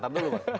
ntar dulu mas